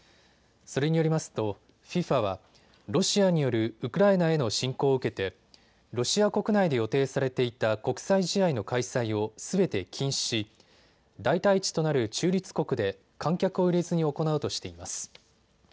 それによりますとＦＩＦＡはロシアによるウクライナへの侵攻を受けてロシア国内で予定されていた国際試合の開催をすべて禁止し代替地となる中立国で観客を入れずに行うとしています。